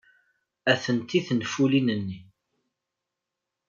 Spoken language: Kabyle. Atenti tenfulin-nni.